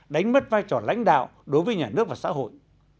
đánh mất vai trò lãnh đạo đối với nhà nước và xã hội